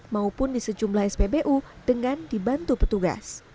maupun di sejumlah spbu dengan dibantu petugas